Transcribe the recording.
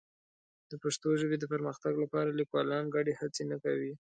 د پښتو ژبې د پرمختګ لپاره لیکوالان ګډې هڅې نه کوي.